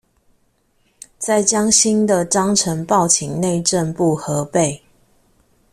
再將新的章程報請內政部核備